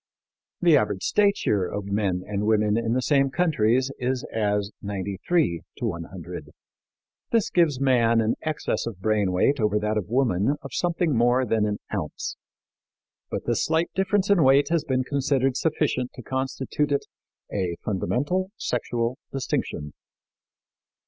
The average stature of men and women in the same countries is as 93 to 100. This gives man an excess of brain weight over that of woman of something more than an ounce. But this slight difference in weight has been considered sufficient to constitute it "a fundamental sexual distinction."